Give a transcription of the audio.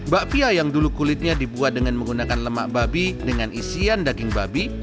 bakpia yang dulu kulitnya dibuat dengan menggunakan lemak babi dengan isian daging babi